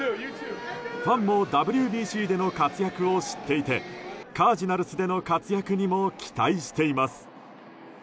ファンもＷＢＣでの活躍を知っていてカージナルスでの活躍にも期待しています。